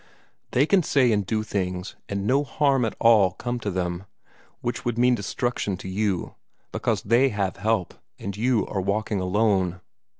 They can say and do things, and no harm at all come to them, which would mean destruction to you, because they have help, and you are walking alone.